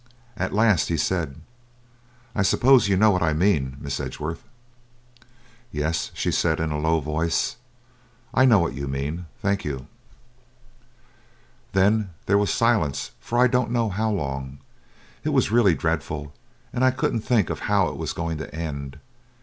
At last he said: "'I suppose you know what I mean, Miss Edgeworth?' "'Yes,' she said, in a low voice. 'I know what you mean, thank you.' "Then there was silence for I don't know how long; it was really dreadful, and I couldn't think how it was going to end.